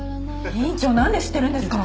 院長なんで知ってるんですか？